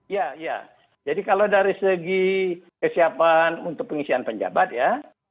ya jadi kalau dari segi kesiapan untuk pengisian penjabat ya